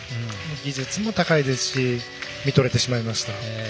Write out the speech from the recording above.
技術も高いですし見とれてしまいました。